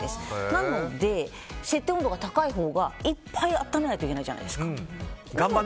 なので設定温度が高いほうがいっぱい暖めないといけないわけじゃないですか。